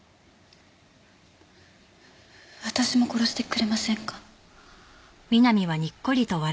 私も殺してくれませんか？